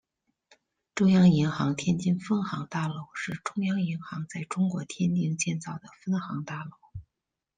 中央银行天津分行大楼是中央银行在中国天津建造的分行大楼。